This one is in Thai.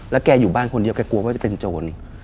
แกอยู่บ้านคนเดียวแกกลัวว่าจะเป็นโจร